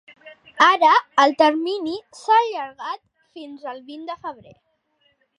Ara, el termini s’ha allargat fins el vint de febrer.